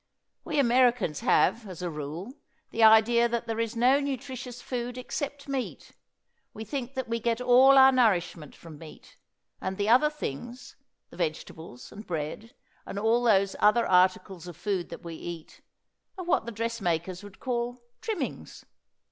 We Americans have, as a rule, the idea that there is no nutritious food except meat. We think that we get all our nourishment from meat; and the other things the vegetables and bread, and all those other articles of food that we eat, are what the dressmakers would call "trimmings."